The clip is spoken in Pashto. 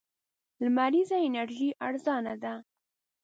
لمريزه انرژي ارزانه ده.